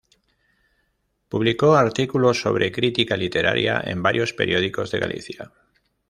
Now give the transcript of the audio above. Publicó artículos sobre crítica literaria en varios periódicos de Galicia.